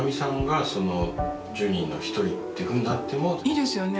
いいですよね